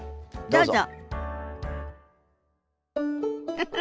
どうぞ。